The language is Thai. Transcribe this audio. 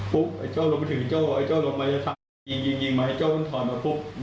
ปุ๊บไอ้เจ้าลงไปถึงเจ้าไอ้เจ้าลงมายิงมาไอ้เจ้ามันถอดมาปุ๊บ